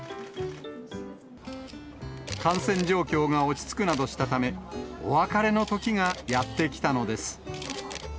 感染状況が落ち着くなどしたため、お別れの時がやって来たのです。